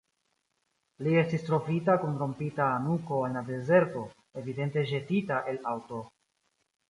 Li estis trovita kun rompita nuko en la dezerto, evidente ĵetita el aŭto.